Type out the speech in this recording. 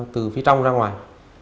từ phía trong ra ngoài